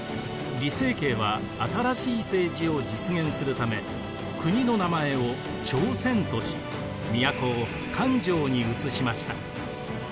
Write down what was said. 李成桂は新しい政治を実現するため国の名前を朝鮮とし都を漢城にうつしました。